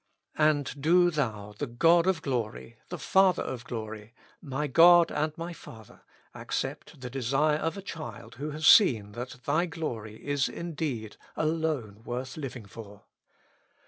And do Thou, the God of glory, the Father of glory, my God and my Father, accept the desire of a child who has seen that Thy glory is indeed alone worth living for.